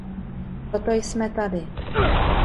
Proto jsme tady.